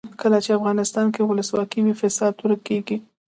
کله چې افغانستان کې ولسواکي وي فساد ورک کیږي.